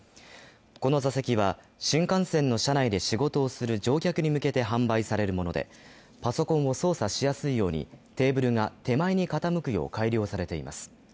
この座席は新幹線の車内で仕事をする乗客に向けて販売されるものでパソコンを操作しやすいようにテーブルが手前に傾くように改良されています。